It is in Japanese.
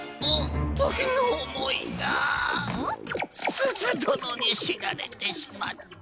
すずどのにしられてしまった！？